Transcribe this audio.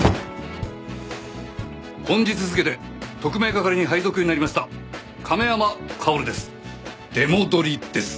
本日付で特命係に配属になりました亀山薫です。